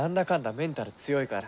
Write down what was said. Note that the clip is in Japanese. メンタル強いから。